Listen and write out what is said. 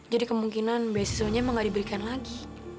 jadi kemungkinan beasiswanya emang gak diberikan lagi